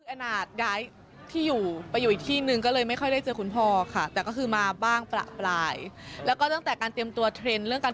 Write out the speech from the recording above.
อาณาจอยู่ไปอีกที่หนึ่ง